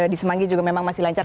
di semanggi juga memang masih lancar